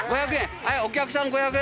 はいお客さん５００円！